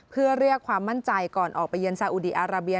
เพื่อเรียกความมั่นใจก่อนออกไปเยือนซาอุดีอาราเบีย